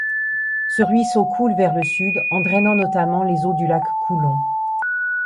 Ce ruisseau coule vers le sud en drainant notamment les eaux du lac Coulon.